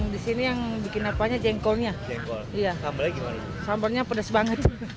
disini yang bikin apanya jengkolnya iya sampai lagi malam sampelnya pedas banget